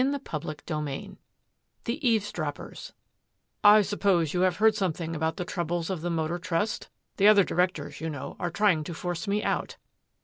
CHAPTER V THE EAVESDROPPERS "I suppose you have heard something about the troubles of the Motor Trust? The other directors, you know, are trying to force me out."